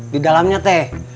di dalamnya teh